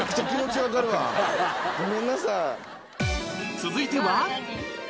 続いては